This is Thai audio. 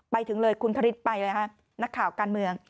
ไปถึงเลยคุณพระฤทธิ์ไปเลยฮะนักข่าวการเมือง